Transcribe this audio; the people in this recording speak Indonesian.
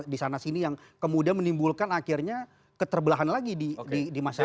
di sana sini yang kemudian menimbulkan akhirnya keterbelahan lagi di masyarakat